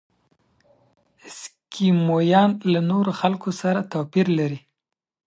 اسکیمویان له نورو خلکو سره توپیر لري.